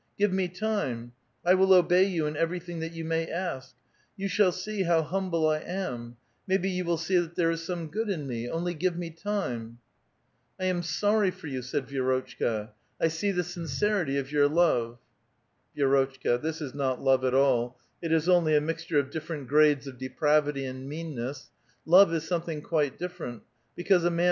Give me time ! I will obey you in everything that you may ask ; you shall see how humble I am ; maybe you will see that there is some good in me ; only give me time !" "I am sorry for you," said Vi^rotchka ; "I see the sincerity of your love." (Vi^rotchka, this is not love at all ; it is onl}' a mixture of different grades of depravity and meanness : love is something quite different ; because a man